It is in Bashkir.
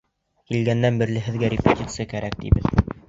Килгәндән бирле һеҙгә репетиция кәрәк тибеҙ.